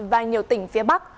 và nhiều tỉnh phía bắc